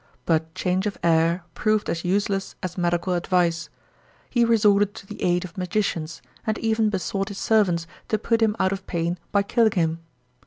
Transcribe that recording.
But change of air proved as useless as medical advice. He resorted to the aid of magicians, and even besought his servants to put him out of pain by killing him.